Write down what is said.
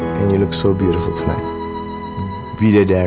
kamu kelihatan sangat indah malam